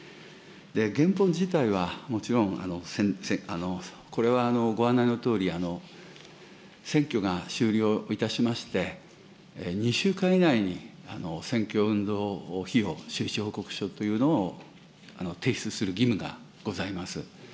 原本自体はもちろん、これはご案内のとおり、選挙が終了いたしまして、２週間以内に選挙運動費を収支報告書というのを提出する義務がございます。